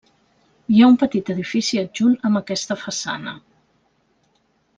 Hi ha un petit edifici adjunt amb aquesta façana.